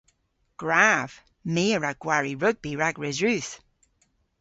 Gwrav! My a wra gwari rugbi rag Resrudh.